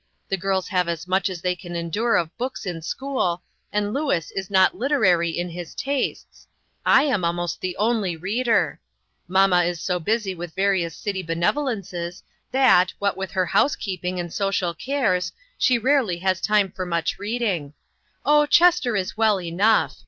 The girls have as much as they can endure of books in school, and Louis is not literary in his tastes ; I am almost the only reader. Mamma is so busy with various city benev olences that, what with her housekeeping and 156 INTERRUPTED. social cares, she rarely has time for much reading. Oh, Chester is well enough.